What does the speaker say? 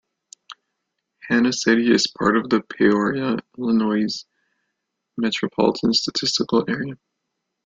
Hanna City is part of the Peoria, Illinois Metropolitan Statistical Area.